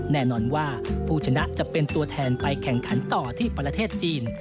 แน่นอนว่าผู้ชนะจะเป็นตัวแทนไปแข่งขันต่อที่ประเทศจีน